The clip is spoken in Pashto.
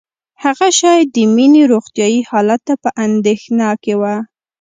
هغه شاید د مينې روغتیايي حالت ته په اندېښنه کې وه